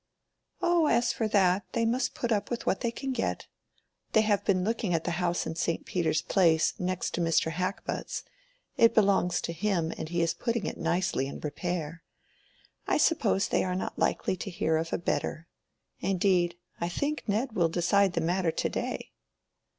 "Oh, as for that, they must put up with what they can get. They have been looking at the house in St. Peter's Place, next to Mr. Hackbutt's; it belongs to him, and he is putting it nicely in repair. I suppose they are not likely to hear of a better. Indeed, I think Ned will decide the matter to day."